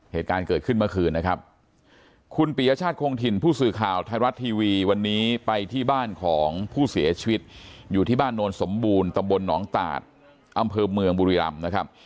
เหตุการณ์เกิดขึ้นเมื่อคืนนะครับคุณปียชาติคงถิ่นผู้สื่อข่าวไทยรัฐทีวีวันนี้ไปที่บ้านของผู้เสียชีวิตอยู่ที่บ้านโนนสมบูรณ์ตำบลหนองตาดอำเภอเมืองบุรีรำนะครับ